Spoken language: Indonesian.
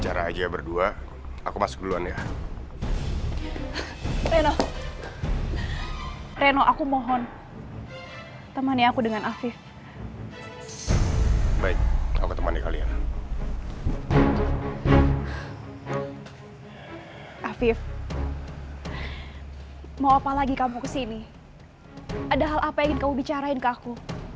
ada hal apa yang ingin kamu bicarain ke aku